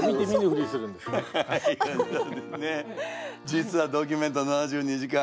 実は「ドキュメント７２時間」